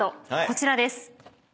こちらです。